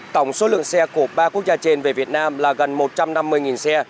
tổng số lượng xe của ba quốc gia trên về việt nam là gần một trăm năm mươi xe